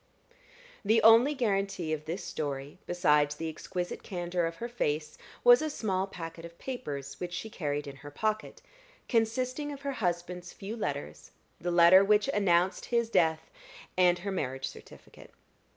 The only guarantee of this story, besides the exquisite candor of her face, was a small packet of papers which she carried in her pocket, consisting of her husband's few letters, the letter which announced his death, and her marriage certificate.